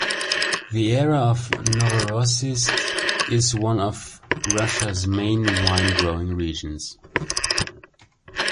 The area of Novorossiysk is one of Russia's main wine-growing regions.